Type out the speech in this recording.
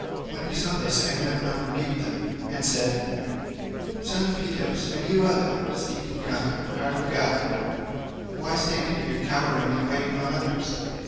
When he saw this Agamemnon rebuked them and said, "Son of Peteos, and you other, steeped in cunning, heart of guile, why stand you here cowering and waiting on others?